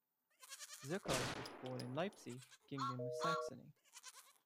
Zuchardt was born in Leipzig, Kingdom of Saxony.